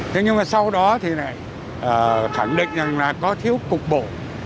thế nhưng mà sau đó thì lại khẳng định rằng là có thiếu cục bộ